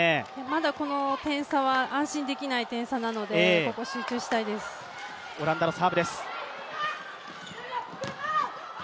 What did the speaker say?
まだこの点差は安心できない点差なのでここ集中したいです。